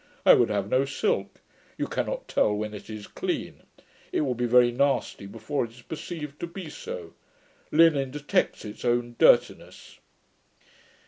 I would have no silk; you cannot tell when it is clean: it will be very nasty before it is perceived to be so. Linen detects its own dirtiness.'